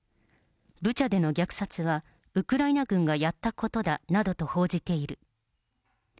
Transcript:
ブチャでの虐殺は、ウクライナ軍がやったことだなどと報じている。